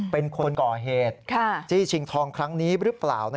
เป็นคนก่อเหตุจี้ชิงทองครั้งนี้หรือเปล่า